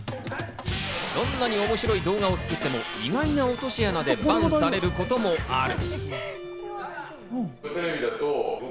どんなに面白い動画を作っても意外な落としでＢＡＮされることもある。